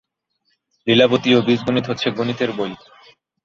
লীলাবতী ও বীজগণিত হচ্ছে গণিতের বই।